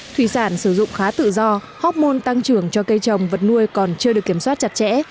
thủy sản sử dụng khá tự do hóc môn tăng trưởng cho cây trồng vật nuôi còn chưa được kiểm soát chặt chẽ